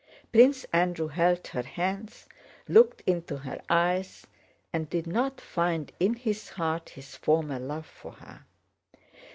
Prince Andrew held her hands, looked into her eyes, and did not find in his heart his former love for her.